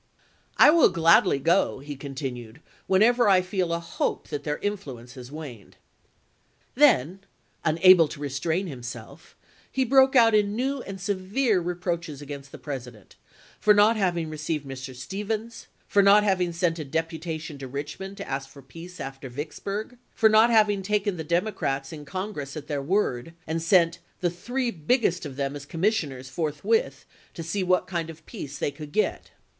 "I will 196 ABRAHAM LINCOLN chap. vni. gladly go," he continued, "whenever I feel a hope that their influence has waned." Then, unable to restrain himself, he broke out in new and severe reproaches against the President for not having received Mr. Stephens, for not having sent a depu tation to Richmond to ask for peace after Vicks burg, for not having taken the Democrats in Congress at their word, and sent " the three biggest of them as commissioners forthwith, to see what kind of peace they could get."